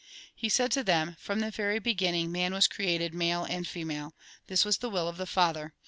He said to them :" From the very beginning man was created male and female. This was the will of the Father.